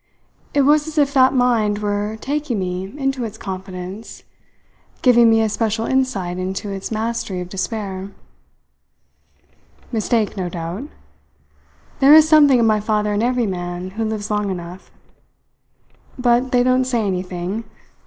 It was as if that mind were taking me into its confidence, giving me a special insight into its mastery of despair. Mistake, no doubt. There is something of my father in every man who lives long enough. But they don't say anything.